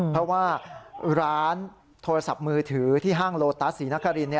เพราะว่าร้านโทรศัพท์มือถือที่ห้างโลตัสศรีนคริน